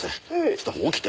ちょっと起きて。